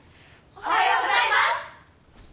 おはようございます。